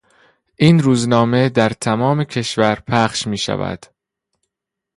این روزنامه در تمام کشور پخش میشود.